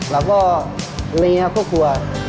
เราก็เลี้ยพวกตัว